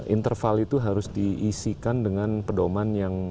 interval itu harus diisikan dengan pedoman yang